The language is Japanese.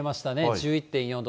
１１．４度。